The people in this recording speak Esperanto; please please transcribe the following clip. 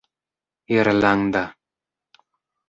irlanda